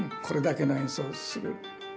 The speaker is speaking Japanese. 「これだけの演奏をする。